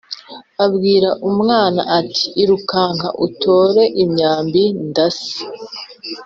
Abwira uwo mwana ati “Irukanka utore imyambi ndasa.”